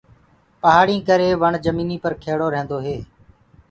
پهآڙينٚ ڪري وڻ جميٚنيٚ پر کيڙو رهيندو هي۔